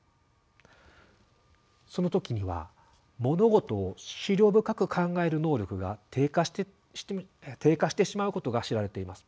その時には物事を思慮深く考える能力が低下してしまうことが知られています。